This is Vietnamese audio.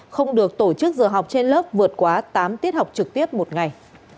không được tổ chức giờ học trên lớp vượt quá tám tiết học trực tiếp một ngày